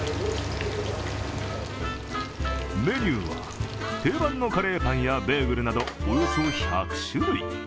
メニューは定番のカレーパンやベーグルなどおよそ１００種類。